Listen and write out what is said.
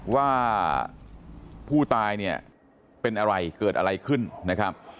ว่าผู้ตายเนี่ยเป็นอะไรเกิดอะไรขึ้นนะครับ